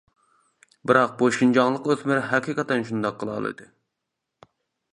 بىراق بۇ شىنجاڭلىق ئۆسمۈر ھەقىقەتەن شۇنداق قىلالىدى!